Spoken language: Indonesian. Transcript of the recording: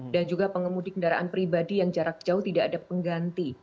dan juga pengemudi kendaraan pribadi yang jarak jauh tidak ada pengganti